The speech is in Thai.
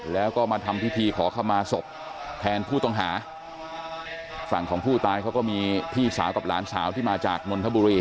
แล้วก็มาทำพิธีขอเข้ามาศพแทนผู้ต้องหาฝั่งของผู้ตายเขาก็มีพี่สาวกับหลานสาวที่มาจากนนทบุรี